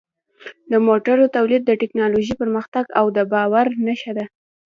د موټرو تولید د ټکنالوژۍ پرمختګ او د باور نښه ده.